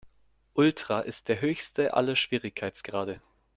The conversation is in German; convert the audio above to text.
Ultra ist der höchste aller Schwierigkeitsgrade.